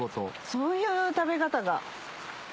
そういう食べ方が。